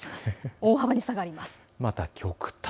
大幅に下がります。